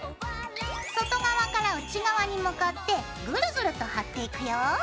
外側から内側に向かってグルグルと貼っていくよ。